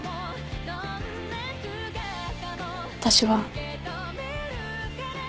私は。